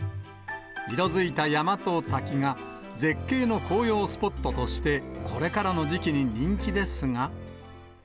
色づいた山と滝が、絶景の紅葉スポットとして、これからの時期に人気ですが。